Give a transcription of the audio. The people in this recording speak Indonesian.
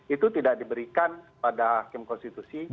itu tidak diberikan pada hakim konstitusi